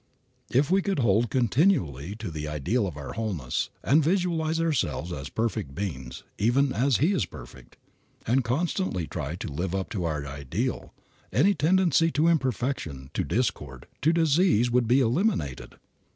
If we could hold continually the ideal of our wholeness, and visualize ourselves as perfect beings "even as He is perfect," and constantly try to live up to our ideal, any tendency to imperfection, to discord, to disease would be eliminated.